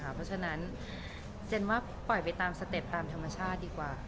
เพราะฉะนั้นเจนว่าปล่อยไปตามสเต็ปตามธรรมชาติดีกว่า